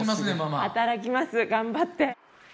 働きます、頑張って。